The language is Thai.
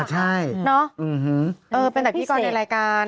อ่าใช่โอ้เป็นตัวพิธีกรในรายการ